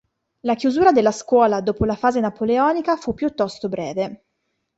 La chiusura della scuola dopo la fase napoleonica fu piuttosto breve.